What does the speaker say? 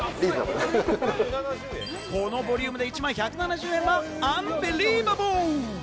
このボリュームで１枚１７０円はアンビリーバボー！